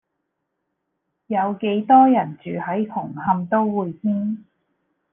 有幾多人住喺紅磡都會軒